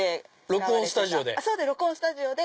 録音スタジオで。